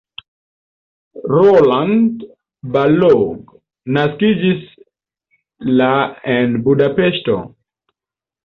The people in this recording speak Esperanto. Roland Balogh naskiĝis la en Budapeŝto.